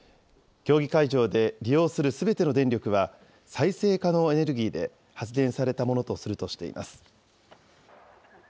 競技会場で利用するすべての電力は、再生可能エネルギーで発電されたものとするとしています。